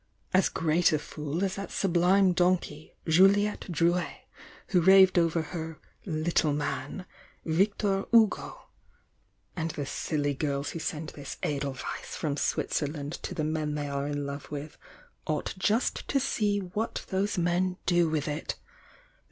— as great a fool as that sub lime donkey, Juliette Drouet, who raved over her 'little inan', Victor Hugo! And the silly girls who send this edelweiss from Switzerland to the men they are in love with, ought just to see what those men do with it!